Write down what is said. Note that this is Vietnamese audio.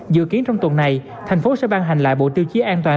dự kiến trong tuần này thành phố sẽ ban hành lại bộ tiêu chí an toàn